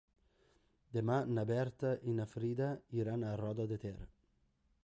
Demà na Berta i na Frida iran a Roda de Ter.